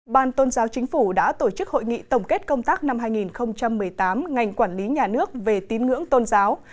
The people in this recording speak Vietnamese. ban tôn giáo chính phủ đã tổ chức hội nghị tổng kết công tác năm hai nghìn một mươi tám ngành quản lý nhà nước về tín ngưỡng tôn giáo